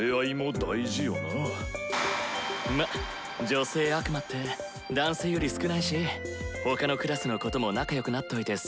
女性悪魔って男性より少ないし他のクラスの子とも仲良くなっといて損はないな。